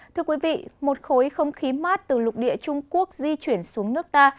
thưa quý vị một khối không khí mát từ lục địa trung quốc di chuyển xuống nước ta